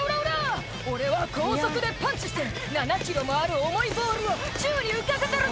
俺は高速でパンチして７ｋｇもある重いボールを宙に浮かせてるぜ」